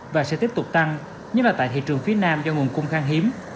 và sẽ tiếp tục tăng nhất là tại thị trường phía nam do nguồn cung khang hiếm